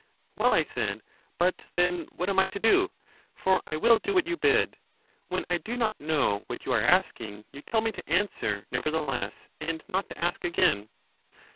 Well, I said; but then what am I to do? for I will do what you bid; when I do not know what you are asking, you tell me to answer nevertheless, and not to ask again.